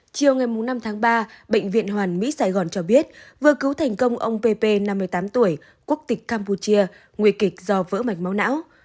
chiều ngày năm tháng ba bệnh viện hoàn mỹ sài gòn cho biết vừa cứu thành công ông p năm mươi tám tuổi quốc tịch campuchia nguy kịch do vỡ mạch máu não